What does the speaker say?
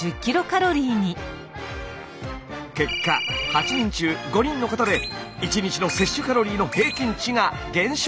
結果８人中５人の方で１日の摂取カロリーの平均値が減少。